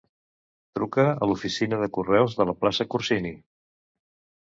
Truca a l'oficina de correus de la plaça Corsini.